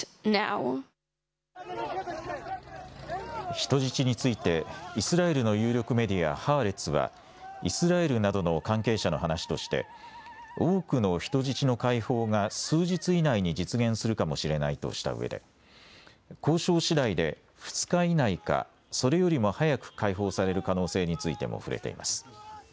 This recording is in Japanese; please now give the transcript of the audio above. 人質についてイスラエルの有力メディアハーレツはイスラエルなどの関係者の話として多くの人質の解放が数日以内に実現するかもしれないとしたうえで交渉しだいで２日以内かそれよりも早く解放される可能性についても触れています。